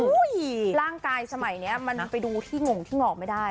ร่างกายสมัยนี้มันไปดูที่งงที่งอกไม่ได้